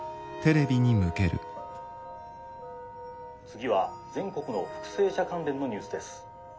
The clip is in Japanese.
「次は全国の復生者関連のニュースです。